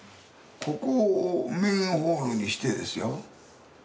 ここをメインホールにしてですよ